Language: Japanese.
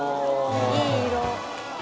いい色。